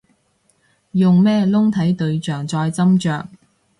用咩窿睇對象再斟酌